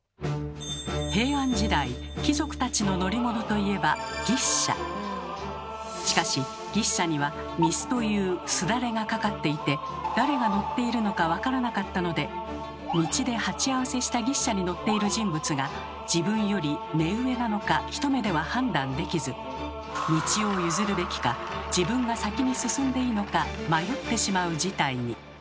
平安時代貴族たちの乗り物といえばしかし牛車には御簾というすだれがかかっていて道で鉢合わせした牛車に乗っている人物が自分より目上なのか一目では判断できず道を譲るべきか自分が先に進んでいいのか迷ってしまう事態に。